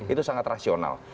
itu sangat rasional